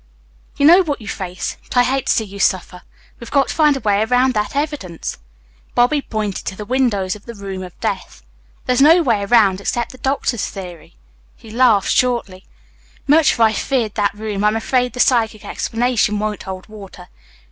"You know what you face. But I hate to see you suffer. We've got to find a way around that evidence." Bobby pointed to the windows of the room of death. "There's no way around except the doctor's theory." He laughed shortly. "Much as I've feared that room, I'm afraid the psychic explanation won't hold water.